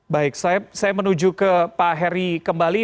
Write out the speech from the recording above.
baik saya menuju ke pak heri kembali